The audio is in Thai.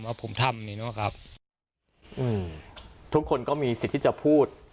ว่าผมทำนี่เนอะครับอืมทุกคนก็มีสิทธิ์ที่จะพูด